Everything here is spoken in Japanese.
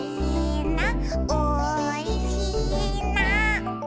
「おいしいな」